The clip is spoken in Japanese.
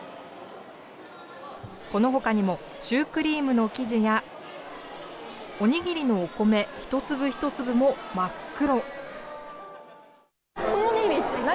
このほかにもシュークリームの生地や、お握りのお米一粒一粒も真っ黒。